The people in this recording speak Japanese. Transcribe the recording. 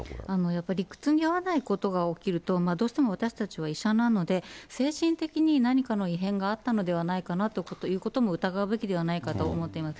やっぱり、理屈に合わないことが起きると、どうしても私たちは医者なので、精神的に何かの異変があったのではないかなということも疑うべきではないかと思っています。